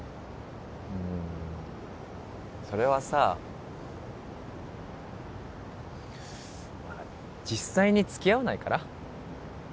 うんそれはさ実際に付き合わないから？